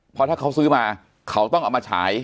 เพราะถ้าเขาซื้อมาเขาต้องเอามาฉาย